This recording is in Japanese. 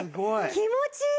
気持ちいい！